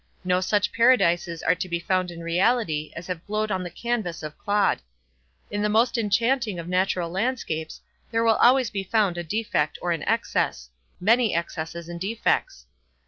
No such paradises are to be found in reality as have glowed on the canvas of Claude. In the most enchanting of natural landscapes, there will always be found a defect or an excess—many excesses and defects.